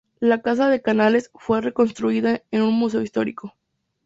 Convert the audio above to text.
La casa de Canales fue reconstruida en un museo histórico.